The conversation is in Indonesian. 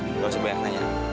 nggak usah banyak nanya